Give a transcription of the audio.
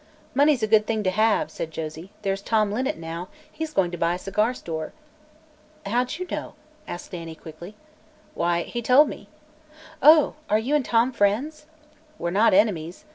"Money's a good thing to have," said Josie. "There's Tom Linnet, now; he's going to buy a cigar store." "How'd you know?" asked Annie quickly. "Why, he told me." "Oh; are you an' Tom friends?" "We're not enemies.